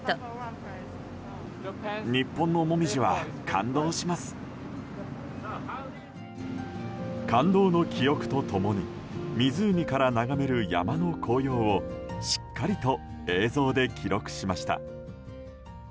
感動の記憶と共に湖から眺める山の紅葉をしっかりと映像で記録しました。